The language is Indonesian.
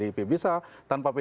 tanpa pdip dia bisa maju sendiri